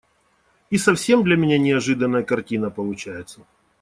И совсем для меня неожиданная картина получается.